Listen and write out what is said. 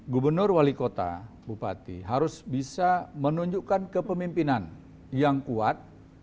gubernur wali kota bupati harus bisa menunjukkan kepemimpinan yang kuat